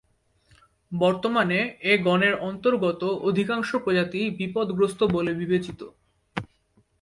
বর্তমানে এ গণের অন্তর্গত অধিকাংশ প্রজাতিই বিপদগ্রস্ত বলে বিবেচিত।